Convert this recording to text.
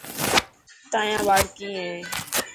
تايان ٻاڙ ڪئي هي.